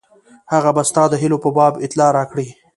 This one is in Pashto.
هغه به ستا د هیلو په باب اطلاع راکړي.